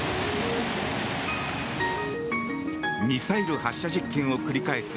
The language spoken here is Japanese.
ミサイル発射実験を繰り返す